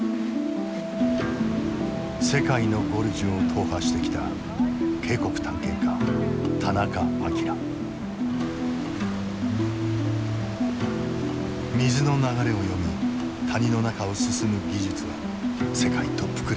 世界のゴルジュを踏破してきた水の流れを読み谷の中を進む技術は世界トップクラスだ。